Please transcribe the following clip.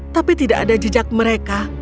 tapi tidak ada jejak mereka